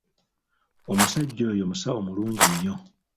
Omusajja oyo musawo mulungi nnyo.